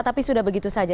tapi sudah begitu saja